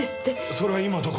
それは今どこに！？